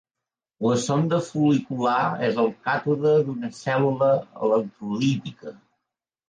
La sonda fol·licular és el càtode d'una cèl·lula electrolítica.